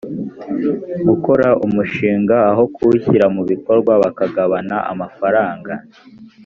gukora umushinga aho kuwushyira mu bikorwa bakagabana amafaranga